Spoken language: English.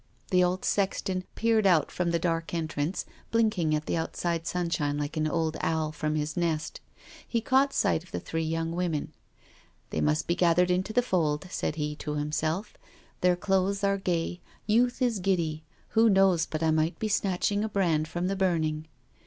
*' The old sexton peered out from the dark entrance, blinking at the outside sunshine like an old owl from his nest. He caught sight of the three young women. " They must be gathered into the fold," said he to himself—" their clothes are gay, youth is giddy, who knows but I might be snatching a brand from the burning!"